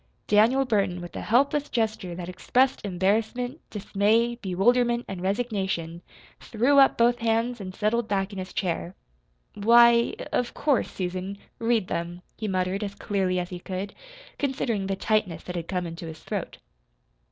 Daniel Burton, with a helpless gesture that expressed embarrassment, dismay, bewilderment, and resignation, threw up both hands and settled back in his chair. "Why, of of course, Susan, read them," he muttered as clearly as he could, considering the tightness that had come into his throat.